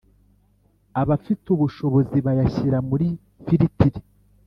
abafite ubushobozi bayashyira muri firitiri